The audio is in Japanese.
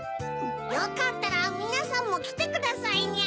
よかったらみなさんもきてくださいにゃ。